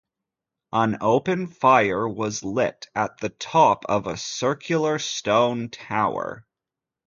An open fire was lit at the top of a circular stone tower.